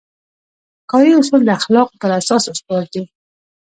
کاري اصول د اخلاقو په اساس استوار دي.